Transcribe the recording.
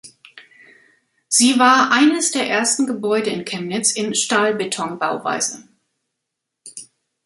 Sie war eines der ersten Gebäude in Chemnitz in Stahlbetonbauweise.